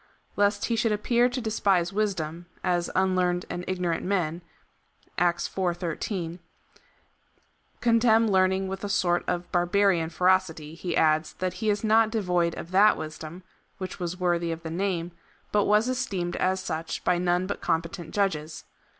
Lest he should appear to despise wisdom, as unlearned and ignorant men (Acts iv. 13) con temn learning with a sort of barbarian ferocity, he adds, that he is not devoid of that wisdom, which was worthy of the name, but was esteemed as such by none but competent judges.